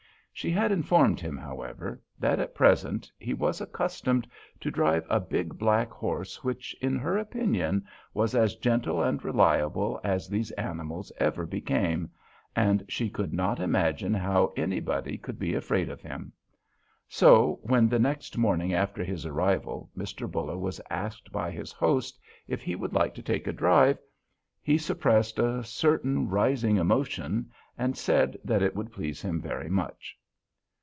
She had informed him, however, that at present he was accustomed to drive a big black horse which, in her opinion, was as gentle and reliable as these animals ever became, and she could not imagine how anybody could be afraid of him. So when, the next morning after his arrival, Mr. Buller was asked by his host if he would like to take a drive, he suppressed a certain rising emotion and said that it would please him very much.